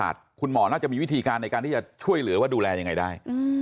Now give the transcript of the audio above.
เพราะว่าเพื่อนหมอน่าจะมีวิธีการในการที่จะช่วยเหลือว่าดูแลยังไงได้